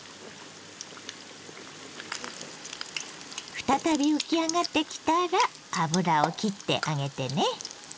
再び浮き上がってきたら油をきってあげてね。